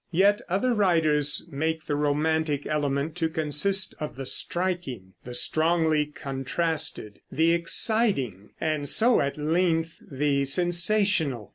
Yet other writers make the romantic element to consist of the striking, the strongly contrasted, the exciting, and so at length the sensational.